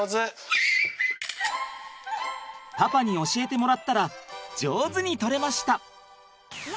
パパに教えてもらったら上手に撮れました！